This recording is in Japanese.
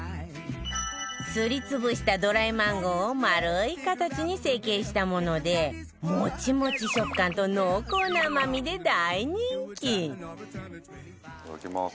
すり潰したドライマンゴーを丸い形に成型したものでモチモチ食感と、濃厚な甘みで大人気齊藤：いただきます。